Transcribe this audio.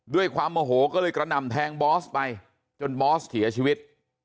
ด้วยความโมโหก็เลยกระหน่ำแทงบอสไปจนบอสเสียชีวิต